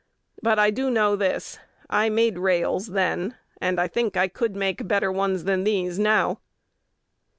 "But I do know this: I made rails then, and I think I could make better ones than these now."